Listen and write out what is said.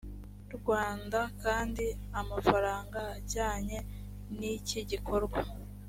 rwanda kandi amafaranga ajyanye n iki gikorwa